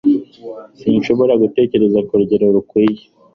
Sinshobora gutekereza kurugero rukwiye